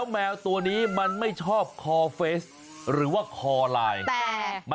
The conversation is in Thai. มันชอบคลอเคลียร์